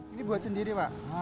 ini buat sendiri pak